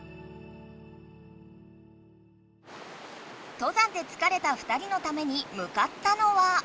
登山でつかれた２人のためにむかったのは。